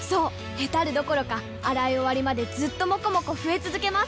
ヘタるどころか洗い終わりまでずっともこもこ増え続けます！